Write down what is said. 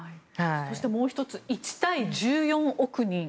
そして、もう１つ１対１４億人。